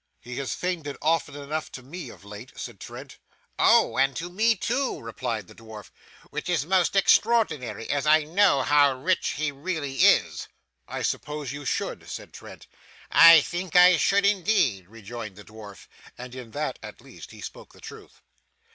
'He has feigned it often enough to me, of late,' said Trent. 'Oh! and to me too!' replied the dwarf. 'Which is more extraordinary, as I know how rich he really is.' 'I suppose you should,' said Trent. 'I think I should indeed,' rejoined the dwarf; and in that, at least, he spoke the truth.